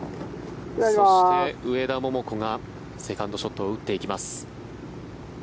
そして、上田桃子がセカンドショットを打っていきます。